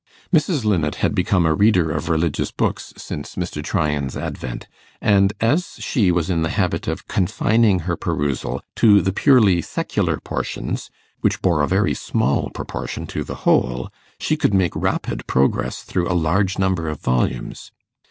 Mrs. Linnet had become a reader of religious books since Mr. Tryan's advent, and as she was in the habit of confining her perusal to the purely secular portions, which bore a very small proportion to the whole, she could make rapid progress through a large number of volumes.